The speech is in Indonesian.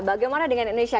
bagaimana dengan indonesia